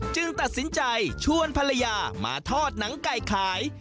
ตัดสินใจชวนภรรยามาทอดหนังไก่ขาย